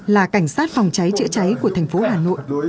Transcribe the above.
là cảnh sát phòng trái trợi trái của thành phố hà nội